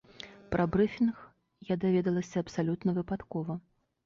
Пра брыфінг я даведалася абсалютна выпадкова.